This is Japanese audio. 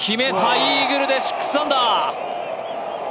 イーグルで６アンダー。